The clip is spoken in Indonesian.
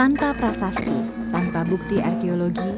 anta prasasti tanpa bukti arkeologi